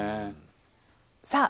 さあ